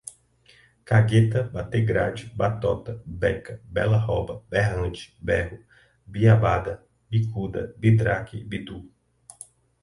cagueta, bater grade, batota, beca, bela roba, berrante, berro, biabada, bicuda, bidraque, bidú